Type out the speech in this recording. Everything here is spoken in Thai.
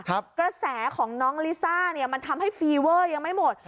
กระแสของน้องลิซ่าเนี่ยมันทำให้ฟีเวอร์ยังไม่หมด